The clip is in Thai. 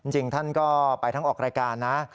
จริงท่านก็ไปทั้งออกรายการนะ